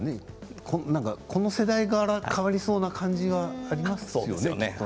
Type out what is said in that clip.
この世代から変わりそうな気がしますよね。